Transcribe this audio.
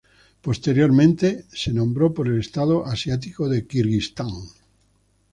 Posteriormente se nombró por el estado asiático de Kirguistán.